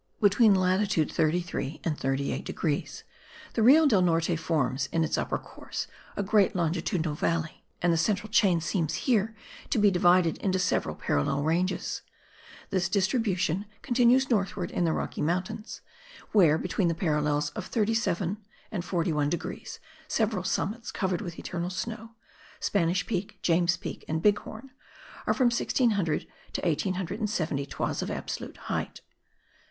Between latitude 33 and 38 degrees, the Rio del Norte forms, in its upper course, a great longitudinal valley; and the central chain seems here to be divided into several parallel ranges. This distribution continues northward, in the Rocky Mountains,* where, between the parallels of 37 and 41 degrees, several summits covered with eternal snow (Spanish Peak, James Peak and Big Horn) are from 1600 to 1870 toises of absolute height.